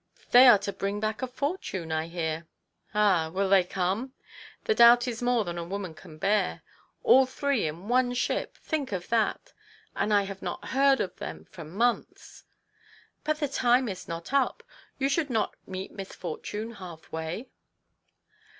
" They are to bring back a fortune, I hear." " Ah, will they come ? The doubt is more than a woman can bear. All three in one ship think of that ! And I have not heard of them for months !"" But the time is not up. You should not meet misfortune half way."